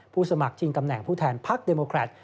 ผู้สมัครจีนตำแหน่งผู้แทนภาคเดมกรัฐ